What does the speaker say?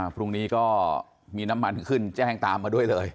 พรุ่งนี้ก็มีน้ำมันขึ้นแจ้งตามมาด้วยเลย